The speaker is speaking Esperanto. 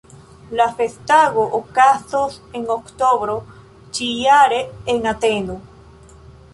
La festego okazos en oktobro ĉi-jare en Ateno.